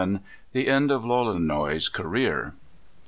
_The End of Lolonois's Career.